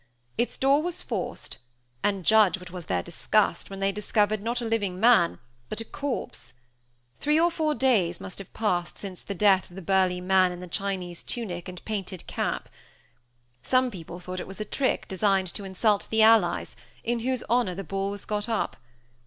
Its door was forced; and, judge what was their disgust, when they discovered, not a living man, but a corpse! Three or four days must have passed since the death of the burly man in the Chinese tunic and painted cap. Some people thought it was a trick designed to insult the Allies, in whose honor the ball was got up.